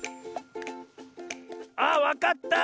あっわかった！